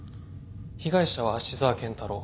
被害者は芦沢健太郎。